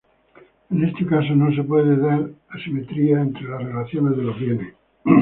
En este caso no se pueden dar asimetrías entre las relaciones de los bienes.